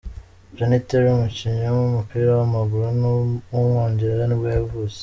John Terry, umukinnyi w’umupira w’amaguru w’umwongereza nibwo yavutse.